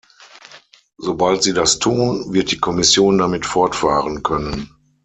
Sobald sie das tun, wird die Kommission damit fortfahren können.